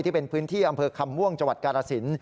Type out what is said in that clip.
ที่เป็นพื้นที่อำเภอคำม่วงจกรสินต์